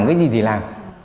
cái gì thì làm